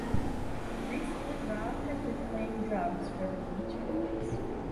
Recently Rob has been playing drums for The Bleach Boys.